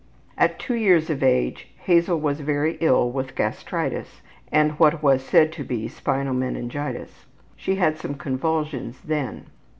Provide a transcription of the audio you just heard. At 2 years of age Hazel was very ill with gastritis and what was said to be spinal meningitis. She had some convulsions then.